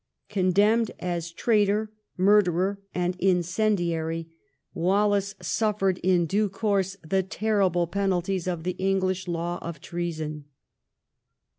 Condemned as traitor, murderer, and incendiary, Wallace suffered in due course the terrible penalties of the English law of treason.